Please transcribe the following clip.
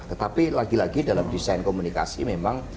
tetapi lagi lagi dalam desain komunikasi memang